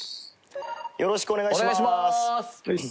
よろしくお願いします。